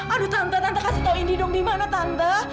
aduh tante tante kasih tahu indi dong di mana tante